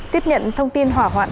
tiếp nhận thông tin hỏa hoạn